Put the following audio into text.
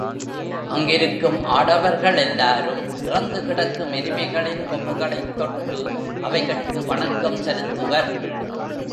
அங்கிருக்கும் ஆடவர்களெல்லாரும் இறந்துகிடக்கும் எருமைகளின் கொம்புகளைத் தொட்டு, அவைகட்கு வணக்கம் செலுத்துவர்.